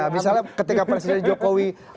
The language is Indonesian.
misalnya ketika presiden jokowi